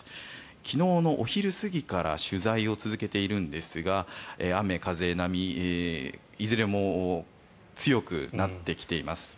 昨日のお昼過ぎから取材を続けているんですが雨、風、波いずれも強くなってきています。